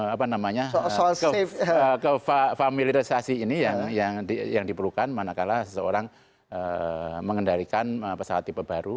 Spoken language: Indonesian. apa namanya ke familiarisasi ini yang diperlukan manakala seseorang mengendarikan pesawat tipe baru